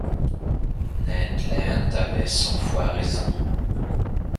Ned Land avait cent fois raison.